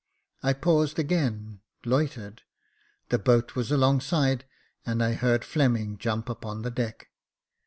I paused again — loitered — the boat was alongside, and I heard Fleming jump upon the deck.